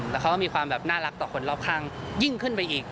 แล้วเขาก็มีความแบบน่ารักต่อคนรอบข้างยิ่งขึ้นไปอีก